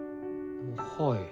はい。